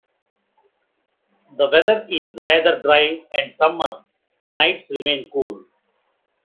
The weather is rather dry and summer nights remain cool.